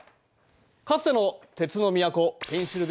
かつての鉄の都ペンシルヴェニア